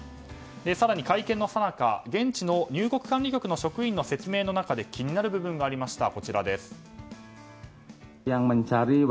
更に会見のさなか、現地の入国管理局の職員の説明の中で気になる部分がありました。